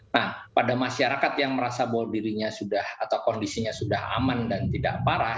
nah pada masyarakat yang merasa bahwa dirinya sudah atau kondisinya sudah aman dan tidak parah